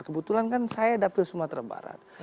kebetulan kan saya dapil sumatera barat